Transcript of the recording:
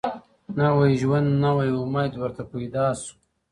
نوی ژوند نوی امید ورته پیدا سو .